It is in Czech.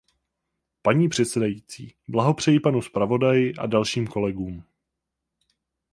Paní předsedající, blahopřeji panu zpravodaji a dalším kolegům.